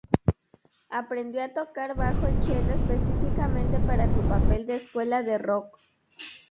Aprendió a tocar bajo y chelo específicamente para su papel en "Escuela de rock".